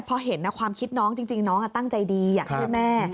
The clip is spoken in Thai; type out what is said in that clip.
พอเห็นความคิดน้องจริงน้องตั้งใจดีอยากช่วยแม่